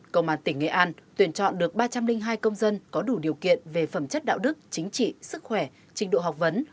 công an tỉnh nghệ an tuyển chọn được ba trăm linh hai công dân có đủ điều kiện về phẩm chất đạo đức chính trị sức khỏe trình độ học vấn